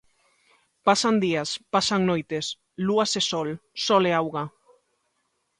Pasan días, pasan noites, lúas e sol, sol e auga.